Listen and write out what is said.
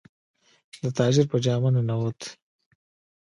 د تاجر په جامه ننووت.